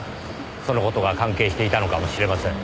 その事が関係していたのかもしれません。